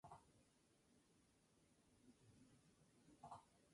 Fue jefe de la brigada de ferrocarrileros de la División del Norte.